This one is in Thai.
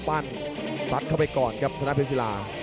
พยายามปั้นสัดเข้าไปก่อนครับสนับเทศศีลา